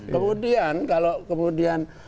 kemudian kalau kemudian